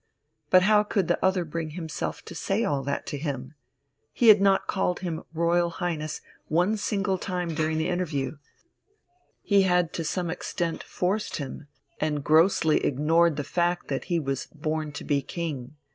But how could the other bring himself to say all that to him? He had not called him "Royal Highness" one single time during the interview, he had to some extent forced him, and grossly ignored the fact that he was "born to be king."